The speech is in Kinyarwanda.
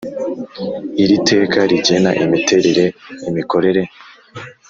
Iri teka rigena imiterere imikorere